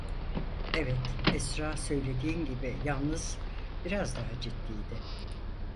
Evet Esra, söylediğin gibi, yalnız biraz daha ciddiydi…